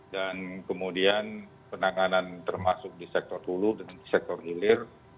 dan kemudian penanganan termasuk di sektor hulu dan sektor hilir